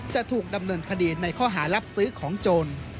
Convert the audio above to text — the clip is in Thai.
จะถูกดำเนินคดีในข้อหารับซื้อของโจร